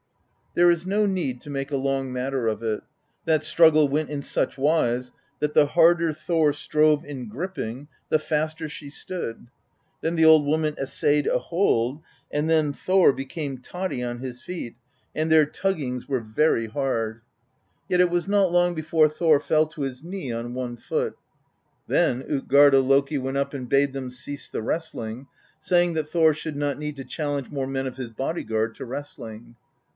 There is no need to make a long matter of it: that struggle went in such wise that the harder Thor strove in gripping, the faster she stood; then the old woman essayed a hold, and then Thor became totty on his feet, and their tuggings were 66 PROSE EDDA very hard. Yet it was not long before Thor fell to his knee, on one foot. Then Utgarda Loki went up and bade them cease the wrestling, saying that Thor should not need to challenge more men of his body guard to wrest ling.